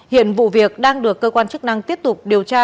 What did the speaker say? hiện vụ việc đang được cơ quan chức năng tiếp tục điều tra